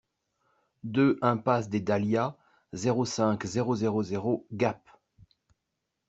deux impasse des Dahlias, zéro cinq, zéro zéro zéro Gap